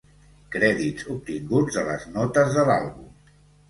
Crèdits obtinguts de les notes de l'àlbum.